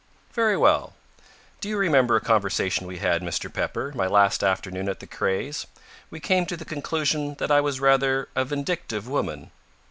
"Very well. Do you remember a conversation we had, Mr. Pepper, my last afternoon at the Crayes'? We came to the conclusion that I was rather a vindictive woman."